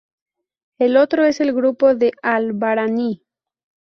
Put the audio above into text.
El otro es el grupo de al-Barani.